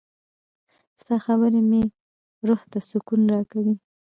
• ستا خبرې مې روح ته سکون راکوي.